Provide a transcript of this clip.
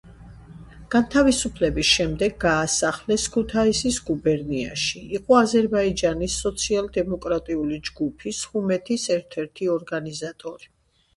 განთავისუფლების შემდეგ გაასახლეს ქუთაისის გუბერნიაში, იყო აზერბაიჯანის სოციალ-დემოკრატიული ჯგუფის „ჰუმეთის“ ერთ-ერთი ორგანიზატორი.